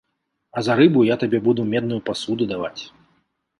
А за рыбу я табе буду медную пасуду даваць.